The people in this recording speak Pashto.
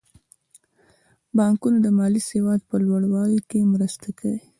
بانکونه د مالي سواد په لوړولو کې مرسته کوي.